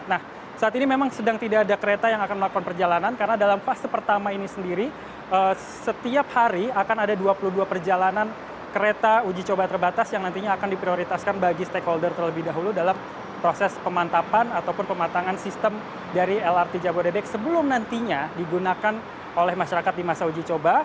nah saat ini memang sedang tidak ada kereta yang akan melakukan perjalanan karena dalam fase pertama ini sendiri setiap hari akan ada dua puluh dua perjalanan kereta uji coba terbatas yang nantinya akan diprioritaskan bagi stakeholder terlebih dahulu dalam proses pemantapan ataupun pematangan sistem dari lrt jabodebek sebelum nantinya digunakan oleh masyarakat di masa uji coba